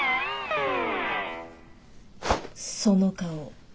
その顔